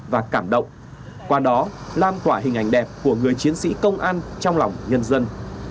và cảm động qua đó lan tỏa hình ảnh đẹp của người chiến sĩ công an trong lòng nhân dân